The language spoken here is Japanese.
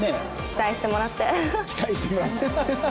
期待してもらって。